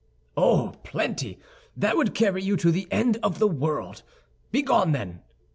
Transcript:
"Oh, plenty! That would carry you to the end of the world. Begone, then!"